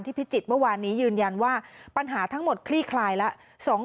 พิจิตรเมื่อวานนี้ยืนยันว่าปัญหาทั้งหมดคลี่คลายแล้ว